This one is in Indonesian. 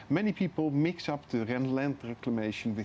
banyak orang menggabungkan reklamasi laut besar